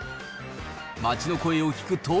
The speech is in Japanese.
街の声を聞くと。